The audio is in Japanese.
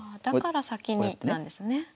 だから先になんですね。